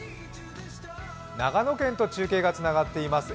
長野県と中継がつながっています。